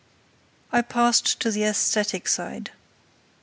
I passed to the æsthetic side.